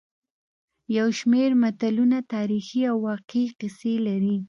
یو شمېر متلونه تاریخي او واقعي کیسې لري